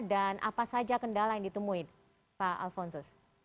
dan apa saja kendala yang ditemui pak alphonsus